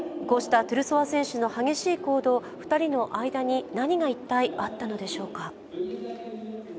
こうしたトゥルソワ選手の激しい行動、２人の間に一体何があったのでしょうか。